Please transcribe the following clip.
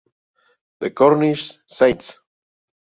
The Cornish Saints.